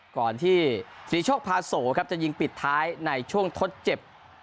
ก่อนที่ศรีโชคพาโสครับจะยิงปิดท้ายในช่วงทดเจ็บ